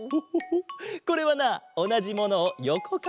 これはなおなじものをよこからみたかげだ。